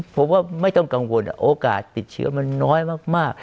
ผมว่าไม่ต้องกังวลโอกาสติดเชื้อมันน้อยมาก